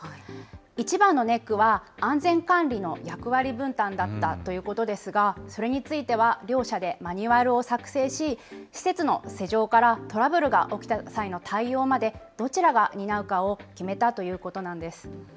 一番のネックは、安全管理の役割分担だったということですが、それについては両者でマニュアルを作成し、施設の施錠からトラブルが起きた際の対応まで、どちらが担うかを決めたということなんです。